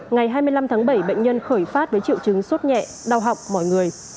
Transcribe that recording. ngày hai mươi năm tháng bảy bệnh nhân khởi phát với triệu chứng sốt nhẹ đau học mỏi người